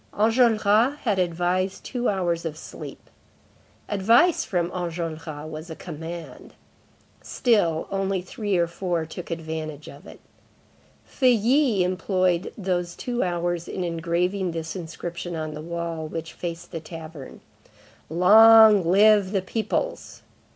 Enjolras had advised two hours of sleep. Advice from Enjolras was a command. Still, only three or four took advantage of it. Feuilly employed these two hours in engraving this inscription on the wall which faced the tavern:— LONG LIVE THE PEOPLES!